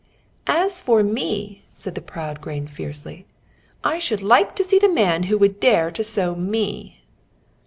"As for me," said the proud grain, fiercely, "I should like to see the man who would dare to sow me!"